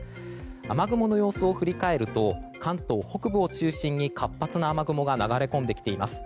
雨雲の様子を振り返ると関東北部を中心に活発な雨雲が流れ込んできています。